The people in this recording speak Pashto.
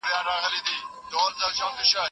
موږ د اسلامي اقتصاد اصول زده کوو.